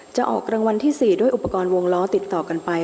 ออกรางวัลที่๔ด้วยอุปกรณ์วงล้อติดต่อกันไป